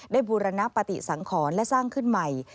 บูรณปฏิสังขรและสร้างขึ้นใหม่